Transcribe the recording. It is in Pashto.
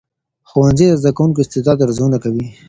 ښوونځي د زدهکوونکو د استعدادونو ارزونه کوي.